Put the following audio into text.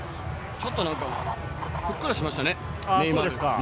ちょっとふっくらしましたね、ネイマール。